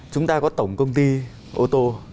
chúng ta có tổng công ty ô tô